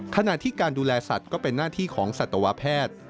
ขณะที่การดูแลสัตว์ก็เป็นหน้าที่ของสัตวแพทย์